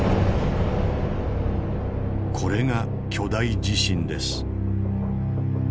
これが巨大地震です。